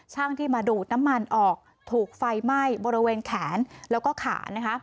ช่างที่มาดูดน้ำมันออกถูกไฟไหม้บริเวณแขนแล้วก็ขานะคะ